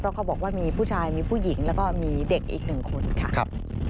เพราะเขาบอกว่ามีผู้ชายมีผู้หญิงแล้วก็มีเด็กอีกหนึ่งคนค่ะ